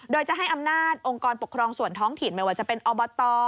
โดยจะให้อำนาจองค์กรปกครองส่วนท้องถิ่นไม่ว่าจะเป็นอบต